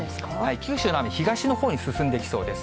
九州の雨、東のほうへ進んできそうです。